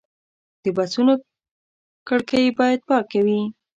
د بسونو کړکۍ باید پاکې وي.